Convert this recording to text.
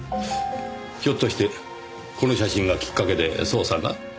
ひょっとしてこの写真がきっかけで捜査が？